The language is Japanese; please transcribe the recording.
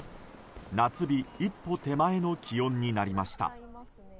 夏日一歩手前の気温になりました。